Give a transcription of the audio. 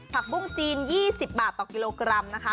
ผักบุ้งจีน๒๐บาทต่อกิโลกรัมนะคะ